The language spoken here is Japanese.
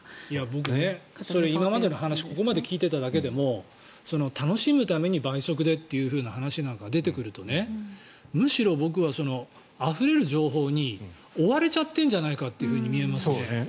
僕、それ、今までの話をここまで聞いていただけでも楽しむために倍速でという話なんかが出てくるとむしろ僕はあふれる情報に追われちゃっているんじゃないかと見えますね。